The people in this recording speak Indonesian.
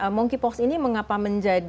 mengapa monkeypox ini menjadi kedaruratan global